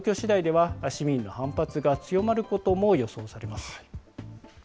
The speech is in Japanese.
今後の状況しだいでは、市民の反発が強まることも予想されます。